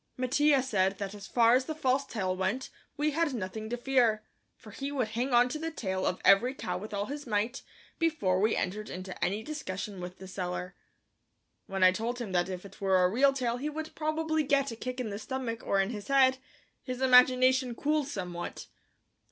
Mattia said that as far as the false tail went we had nothing to fear, for he would hang onto the tail of every cow with all his might, before we entered into any discussion with the seller. When I told him that if it were a real tail he would probably get a kick in the stomach or on his head, his imagination cooled somewhat.